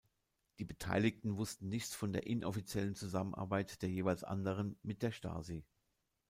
Die Beteiligten wussten nichts von der inoffiziellen Zusammenarbeit der jeweils anderen mit der Stasi.